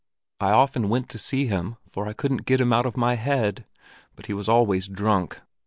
I often went to see him, for I couldn't get him out of my head; but he was always drunk.